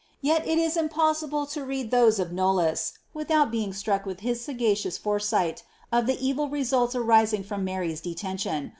Yet it is impossible to read those of Knollys without bein^ struck with his sagacious foresight of the evil results arising from Mary^s detention.